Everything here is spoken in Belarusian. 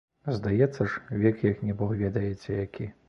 Здаецца ж, век як не бог ведаеце які.